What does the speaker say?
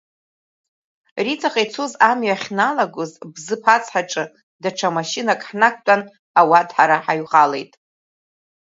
Риҵаҟа ицоз амҩа ахьналагоз, Бзыԥ ацҳаҿы даҽа машьынак ҳнақәтәан, Ауадҳара ҳаҩхалеит.